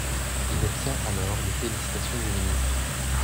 Il obtient alors les félicitations du ministre.